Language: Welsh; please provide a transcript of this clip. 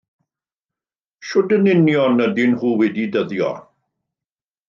Sut yn union ydyn nhw wedi dyddio?